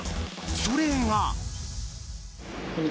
それが。